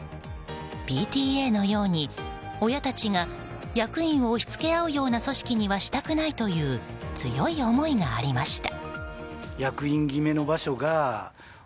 ＰＴＡのように親たちが役員を押し付けあうような組織にはしたくないという強い思いがありました。